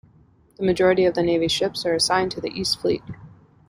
The majority of the navy's ships are assigned to the East Fleet.